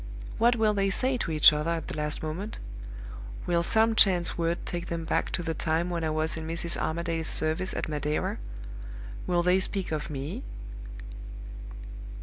What will they say to each other at the last moment? Will some chance word take them back to the time when I was in Mrs. Armadale's service at Madeira? Will they speak of Me?"